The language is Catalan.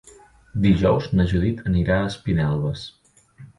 Dijous na Judit anirà a Espinelves.